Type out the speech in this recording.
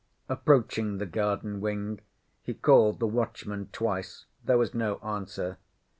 Approaching the garden wing, he called the watchman twice. There was no answer.